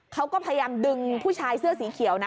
เขาก็พยายามดึงผู้ชายเสื้อสีเขียวนะ